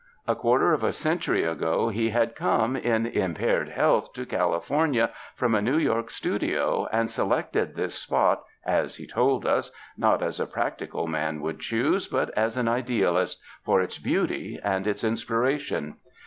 A quar ter of a century ago he had come in impaired health to California from a New York studio and selected this spot, as he told us, not as a practical man would choose, but as an idealist, for its beauty and its in spiration.